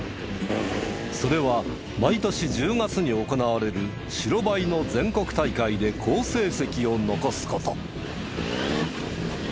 それは毎年１０月に行われる白バイの全国大会で好成績を残す事。